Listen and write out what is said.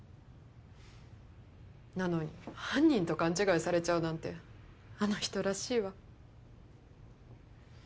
なのに犯人と勘違いされちゃうなんてあの人らしいわ。